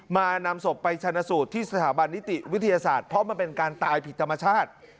นำศพไปชนะสูตรที่สถาบันนิติวิทยาศาสตร์เพราะมันเป็นการตายผิดธรรมชาติ